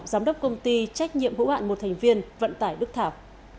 giám đốc công ty trách nhiệm hữu hạn một thành viên vận tải đức thảo